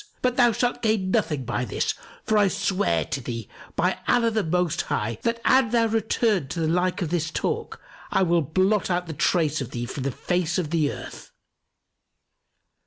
But thou shalt gain nothing by this; for I swear to thee, by Allah the Most High, that an thou return to the like of this talk, I will blot out the trace of thee from the face of earth!